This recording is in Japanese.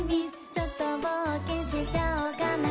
ちょっと冒険しちゃおかな